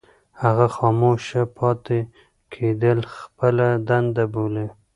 هغه خاموشه پاتې کېدل خپله دنده بولي.